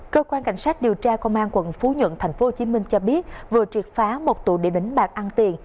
cơ quan cảnh sát điều tra công an quận phú nhuận tp hcm cho biết vừa triệt phá một tủ để đánh bạc ăn tiền